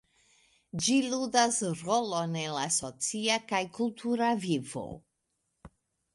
Ĝi ludas rolon en la socia kaj kultura vivo.